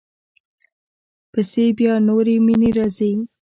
پسې بیا نورې مینې راځي.